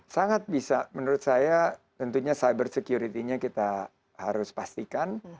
sangat bisa menurut saya tentunya cyber security nya kita harus pastikan